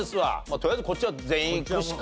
とりあえずこっちは全員いくしか。